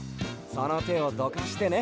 そのてをどかしてね。